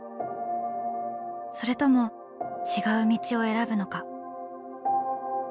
それとも違う道を選ぶのか？」。